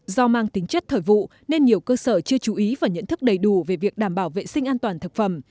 do mang tính chất thời vụ nên nhiều cơ sở chưa chú ý và nhận thức đầy đủ về việc đảm bảo vệ sinh an toàn thực phẩm